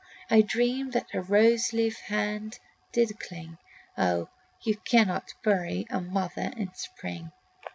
I dreamed that a rose leaf hand did cling: Oh, you cannot bury a mother in spring!